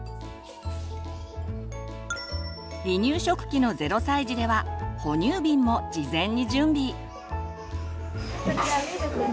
離乳食期の０歳児では哺乳瓶も事前に準備。